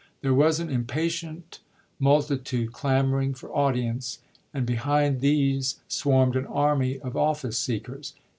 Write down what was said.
There was an impatient multitude clamoring for audience, and behind these swarmed an army of office seekers.